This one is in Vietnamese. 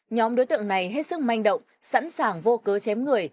nhóm đối tượng này hết sức manh động sẵn sàng vô cớ chém người